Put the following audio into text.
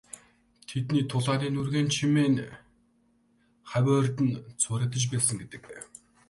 Тэдний тулааны нүргээн чимээ хавь ойрд нь цуурайтаж байсан гэдэг.